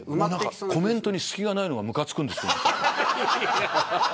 コメントに隙がないのがむかつくんですけど。